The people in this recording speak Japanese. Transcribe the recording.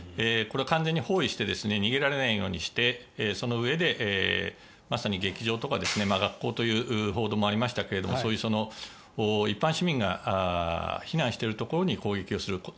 これは完全に包囲して逃げられないようにしてそのうえでまさに劇場とか学校という報道もありましたがそういう一般市民が避難しているところに攻撃をする。